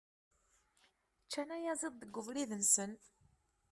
Ččan ayaziḍ deg ubrid-nsen.